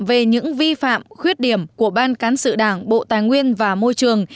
về những vi phạm khuyết điểm của ban cán sự đảng bộ tài nguyên và môi trường